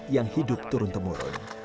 yang hidup turun temur